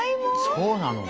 そうなの？